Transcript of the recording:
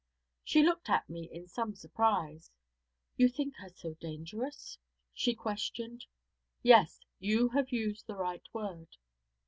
She looked at me in some surprise. 'You think her so dangerous?' she questioned. 'Yes; you have used the right word.'